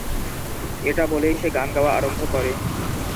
এটা বলেই সে গান গাওয়া আরম্ভ করে।